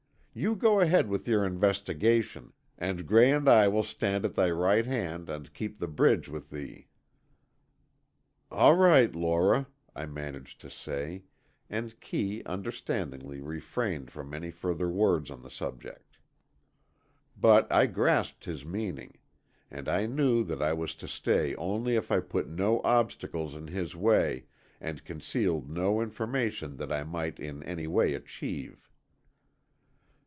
You go ahead with your investigations and Gray and I will stand at thy right hand and keep the bridge with thee." "All right, Lora," I managed to say, and Kee understandingly refrained from any further words on the subject. But I grasped his meaning, and I knew that I was to stay only if I put no obstacles in his way and concealed no information that I might in any way achieve.